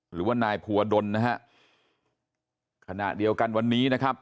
หรือว่านายภูวดลนะฮะขณะเดียวกันวันนี้นะครับ